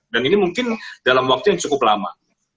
ini mungkin dalam waktu yang cukup lama